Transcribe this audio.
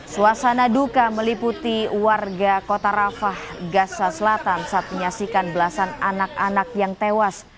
suasana duka meliputi warga kota rafah gaza selatan saat menyaksikan belasan anak anak yang tewas